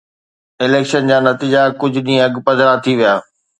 Election جا نتيجا ڪجهه ڏينهن اڳ پڌرا ٿي ويا.